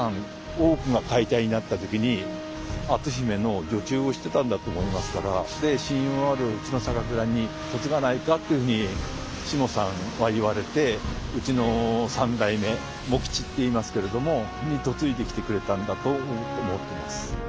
大奥が解体になった時に篤姫の女中をしてたんだと思いますから信用あるうちの酒蔵に嫁がないかっていうふうにしもさんは言われてうちの三代目茂吉っていいますけれどもに嫁いできてくれたんだと思ってます。